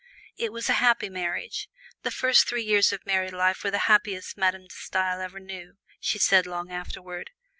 It was a happy marriage. The first three years of married life were the happiest Madame De Stael ever knew, she said long afterward.